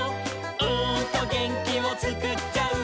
「うーんとげんきをつくっちゃう」